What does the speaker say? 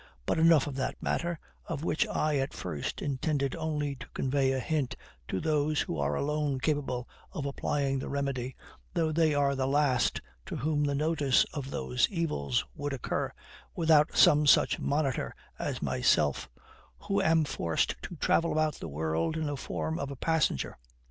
But enough of this matter, of which I at first intended only to convey a hint to those who are alone capable of applying the remedy, though they are the last to whom the notice of those evils would occur, without some such monitor as myself, who am forced to travel about the world in the form of a passenger.